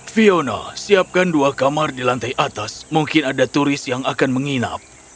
fiona siapkan dua kamar di lantai atas mungkin ada turis yang akan menginap